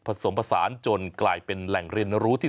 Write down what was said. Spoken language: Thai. ตามแนวทางศาสตร์พระราชาของในหลวงราชการที่๙